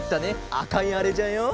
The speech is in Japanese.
あかいあれじゃよ。